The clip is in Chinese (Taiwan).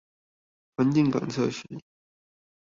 環境感測器